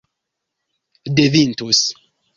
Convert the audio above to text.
devintus